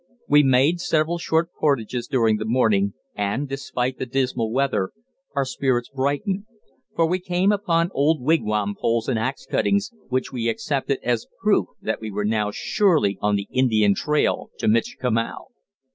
We made several short portages during the morning, and, despite the dismal weather, our spirits brightened; for we came upon old wigwam poles and axe cuttings, which we accepted as proof that we were now surely on the Indian trail to Michikamau.